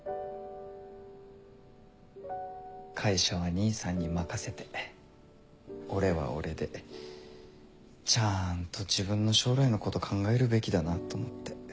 会社は兄さんに任せて俺は俺でちゃんと自分の将来のこと考えるべきだなと思って。